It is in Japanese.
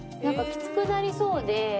きつくなりそうで。